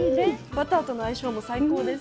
バターとの相性も最高です。